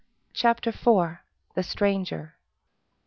CHAPTER IV. THE STRANGER.